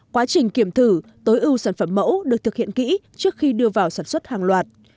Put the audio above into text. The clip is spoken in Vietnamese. quá trình kiểm thử tối ưu sản phẩm mẫu được thực hiện kỹ trước khi đưa vào sản xuất hàng loạt